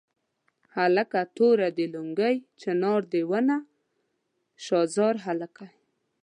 هلکه توره دې لونګۍ چنار دې ونه شاه زار هلکه.